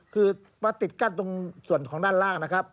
คือมาติดกั้นตรงส่วนของด้านล่างนะครับ